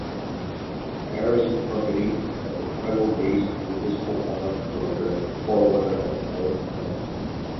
Harris and Company, a Chicago-based municipal bond broker and the forerunner of Harris Bank.